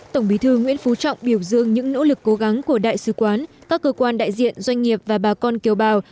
tổng bí thư nguyễn phú trọng biểu dương những nỗ lực cố gắng của đại sứ quán các cơ quan đại diện doanh nghiệp và bà con kiều bào